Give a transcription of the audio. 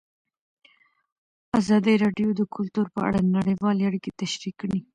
ازادي راډیو د کلتور په اړه نړیوالې اړیکې تشریح کړي.